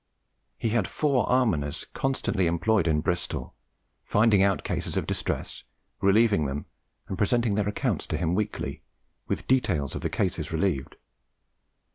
He had four almoners constantly employed in Bristol, finding out cases of distress, relieving them, and presenting their accounts to him weekly, with details of the cases relieved.